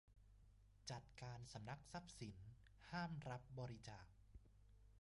จัดการสำนักทรัพย์สิน ห้ามรับบริจาค